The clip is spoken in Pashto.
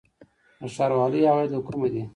د ښاروالۍ عواید له کومه دي؟